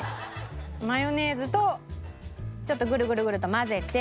マヨネーズとちょっとグルグルグルと混ぜて。